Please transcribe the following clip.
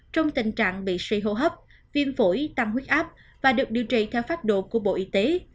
trong tình trạng bị suy hô hấp viêm phổi tăng huyết áp và được điều trị theo pháp đồ của bộ y tế